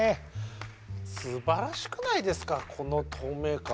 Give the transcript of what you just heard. すばらしくないですかこの透明感！